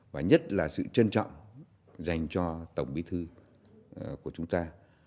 và nhất là sự trân trọng dành cho tổng bí thư của chúng ta